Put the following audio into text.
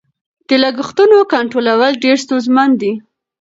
د لګښتونو کنټرولول ډېر ستونزمن دي.